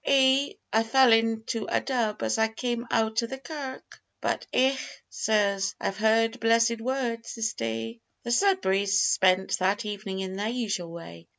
"Ay, I fell into a dub as I cam out o' the kirk. But, ech! sirs, I've heard blessed words this day." The Sudberrys spent that evening in their usual way.